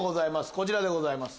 こちらでございます。